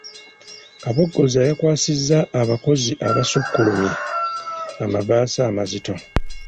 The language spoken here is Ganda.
Kabogoza yakwasizza abakozi abasukkulumye amabaasa amazito.